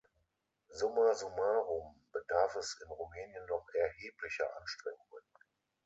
Summa summarum bedarf es in Rumänien noch erheblicher Anstrengungen.